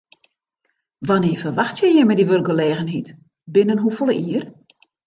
Wannear ferwachtsje jim dy wurkgelegenheid, binnen hoefolle jier?